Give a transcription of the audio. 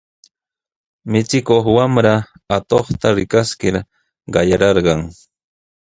Michikuq wamra atuqta rikaskir qayararqan.